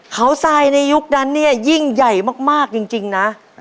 เขาทรายในยุคนั้นเนี่ยยิ่งใหญ่มากจริงนะ